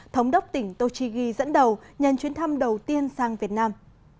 thống đốc tỉnh tochigi dẫn đầu nhân chuyến thăm đầu tiên sang việt nam